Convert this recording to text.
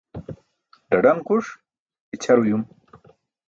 Ḍaḍaṅ xuṣ ićʰar uyum